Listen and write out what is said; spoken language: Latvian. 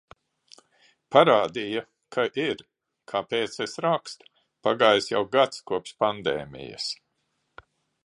Parādīja, ka ir! Kāpēc es rakstu? Pagājis jau gads kopš pandēmijas.